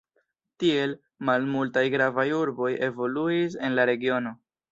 Tiel, malmultaj gravaj urboj evoluis en la regiono.